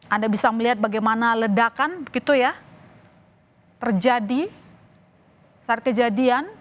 anda bisa melihat bagaimana ledakan gitu ya terjadi saat kejadian